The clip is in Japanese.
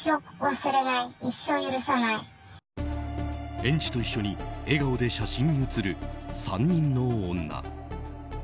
園児と一緒に笑顔で写真に写る３人の女。